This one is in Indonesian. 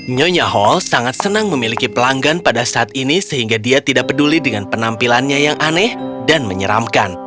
nyonya hall sangat senang memiliki pelanggan pada saat ini sehingga dia tidak peduli dengan penampilannya yang aneh dan menyeramkan